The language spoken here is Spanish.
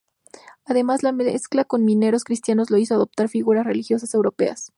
Además, la mezcla con misioneros cristianos los hizo adoptar figuras religiosas europeas.